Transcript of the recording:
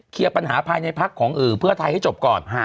เคลียร์ปัญหาภายในภักดิ์ของอื่อเพื่อทายให้จบก่อน